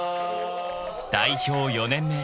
［代表４年目。